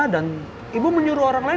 dan ibu menyuruh orang lain